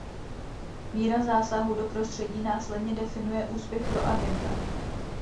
Míra zásahu do prostředí následně definuje úspěch pro agenta.